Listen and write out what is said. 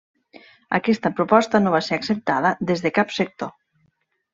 Aquesta proposta no va ser acceptada des de cap sector.